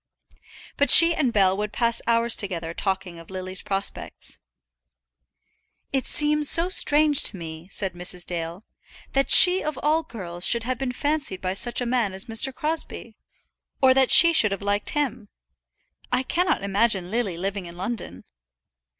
But she and Bell would pass hours together talking of Lily's prospects. "It seems so strange to me," said Mrs. Dale, "that she of all girls should have been fancied by such a man as Mr. Crosbie, or that she should have liked him. I cannot imagine Lily living in London."